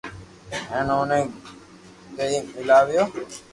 ھين اوني گيي ميلاويو